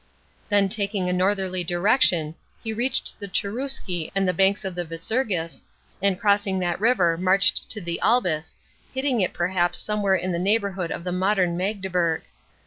Then taking a northerly direction, he reached the Cherusci and the banks of the Visurgis, and crossing that river marched to the Albis, hitting it perhaps somewhere in the neigh bourhood of the modern Magdeburg.